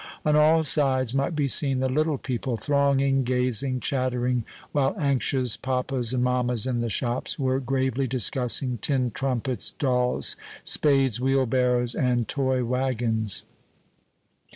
On all sides might be seen the little people, thronging, gazing, chattering, while anxious papas and mammas in the shops were gravely discussing tin trumpets, dolls, spades, wheelbarrows, and toy wagons.